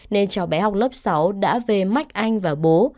nên cháu bé học lớp sáu đã về mách anh và bố